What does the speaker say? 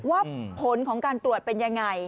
ว่าผลของการตรวจเป็นยังไง